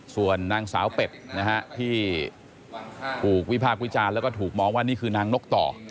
ส่วนนางสาวเป็ดนะฮะที่ถูกวิพากษ์วิจารณ์แล้วก็ถูกมองว่านี่คือนางนกต่อ